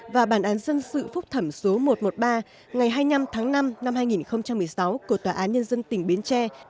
và bản án dân sự phúc thẩm số một trăm một mươi ba ngày hai mươi năm tháng năm năm hai nghìn một mươi sáu của tòa án nhân dân tỉnh bến tre